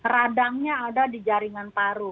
radangnya ada di jaringan paru